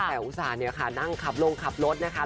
แต่อุตส่าห์เนี่ยค่ะนั่งขับลงขับรถนะคะ